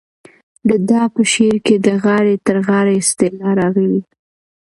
د ده په شعر کې د غاړې تر غاړې اصطلاح راغلې.